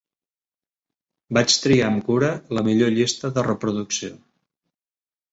Vaig triar amb cura la millor llista de reproducció.